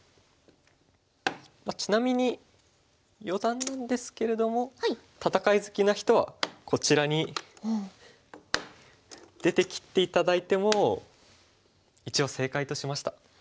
まあちなみに余談なんですけれども戦い好きな人はこちらに出て切って頂いても一応正解としました。